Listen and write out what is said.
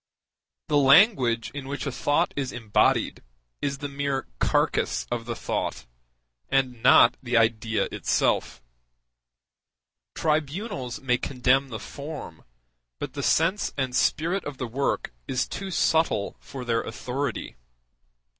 The language in which a thought is embodied is the mere carcass of the thought, and not the idea itself; tribunals may condemn the form, but the sense and spirit of the work is too subtle for their authority.